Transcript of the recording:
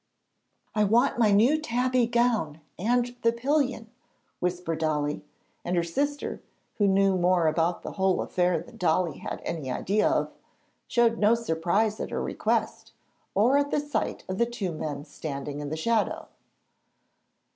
'I want my new tabby gown and the pillion,' whispered Dolly; and her sister, who knew more about the whole affair than Dolly had any idea of, showed no surprise at her request or at the sight of the two men standing in the shadow.